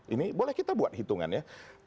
ini boleh kita buat hitungannya